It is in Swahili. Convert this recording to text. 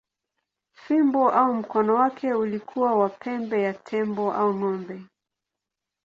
Fimbo au mkono wake ulikuwa wa pembe ya tembo au ng’ombe.